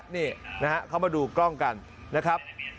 นี่นะฮะเขามาดูกล้องกันนะครับ